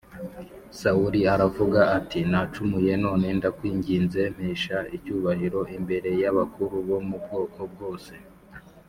Sawuli aravuga ati nacumuye None ndakwinginze mpesha icyubahiro imbere y abakuru bo mu bwoko bwose